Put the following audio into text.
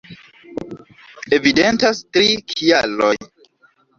Evidentas tri kialoj.